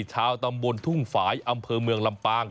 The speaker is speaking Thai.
ชาวตำบลทุ่งฝ่ายอำเภอเมืองลำปาง